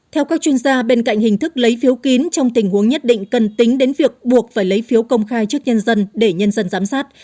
theo các chuyên gia bên cạnh hình thức lấy phiếu kín trong tình huống nhất định cần tính đến việc buộc phải lấy phiếu công khai trước nhân dân để nhân dân giám sát